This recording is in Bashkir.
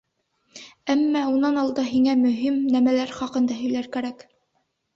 Әммә унан алда һиңә мөһим нәмәләр хаҡында һөйләр кәрәк.